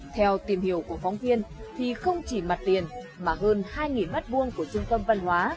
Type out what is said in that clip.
theo tìm hiểu của phóng viên thì không chỉ mặt tiền mà hơn hai m hai của trung tâm văn hóa